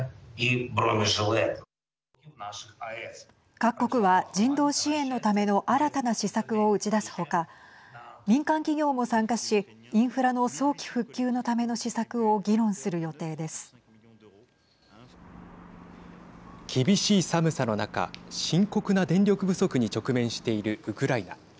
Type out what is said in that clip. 各国は人道支援のための新たな施策を打ち出す他民間企業も参加しインフラの早期復旧のための施策を厳しい寒さの中深刻な電力不足に直面しているウクライナ。